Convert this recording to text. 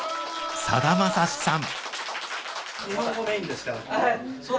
さだまさしさん